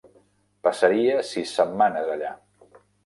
Passaria sis setmanes allà.